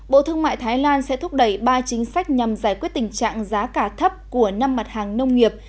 bộ thương mại thái lan sẽ thúc đẩy ba chính sách nhằm giải quyết tình trạng giá cả thấp của năm mặt hàng nông nghiệp